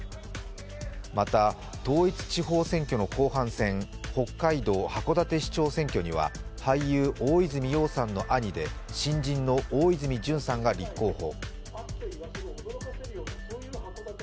また統一地方選挙の後半戦、北海道函館市長選挙には俳優・大泉洋さんの兄で新人の大泉潤さんが立候補。